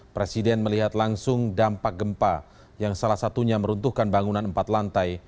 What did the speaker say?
presiden melihat langsung dampak gempa yang salah satunya meruntuhkan bangunan empat lantai